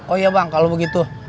oh iya bang kalau begitu